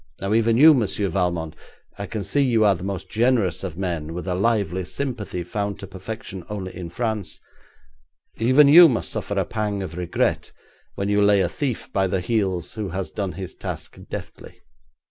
Now even you, Monsieur Valmont (I can see you are the most generous of men, with a lively sympathy found to perfection only in France), even you must suffer a pang of regret when you lay a thief by the heels who has done his task deftly.'